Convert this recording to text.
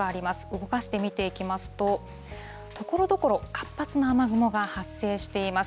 動かして見ていきますと、ところどころ活発な雨雲が発生しています。